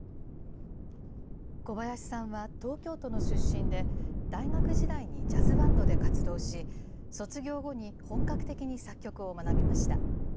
小林さんは東京都の出身で、大学時代にジャズバンドで活動し、卒業後に本格的に作曲を学びました。